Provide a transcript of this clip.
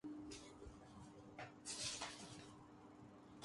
اس تیسری قسط میں ہم اس معاہدے کو سمجھنے کی کوشش کریں گے